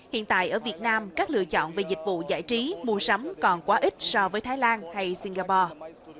hiện tại ở việt nam các lựa chọn về dịch vụ giải trí mua sắm còn quá ít so với thái lan hay singapore